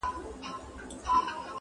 یا دي شل کلونه اچوم زندان ته -